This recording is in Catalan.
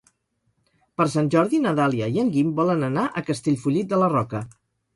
Per Sant Jordi na Dàlia i en Guim volen anar a Castellfollit de la Roca.